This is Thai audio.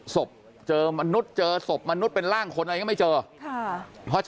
ซบเจอมะนุษย์มะนุษย์เป็นร่างคนมาก็ไม่แล้วไม่เจอ